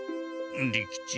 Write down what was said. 利吉。